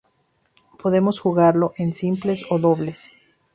Podemos jugarlo en simples o dobles.